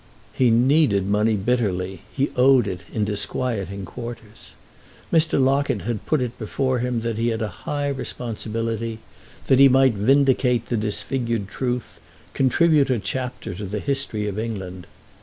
He needed money bitterly; he owed it in disquieting quarters. Mr. Locket had put it before him that he had a high responsibility—that he might vindicate the disfigured truth, contribute a chapter to the history of England.